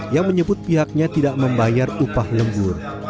yang menyebut pihaknya tidak membayar upah lembur